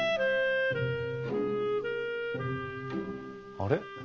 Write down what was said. あれ？